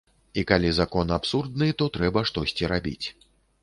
І калі закон абсурдны, то трэба штосьці рабіць.